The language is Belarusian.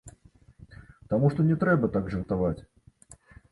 Таму што не трэба так жартаваць.